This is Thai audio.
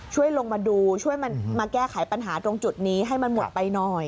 ช่วยลงมาดูช่วยมันมาแก้ไขปัญหาตรงจุดนี้ให้มันหมดไปหน่อย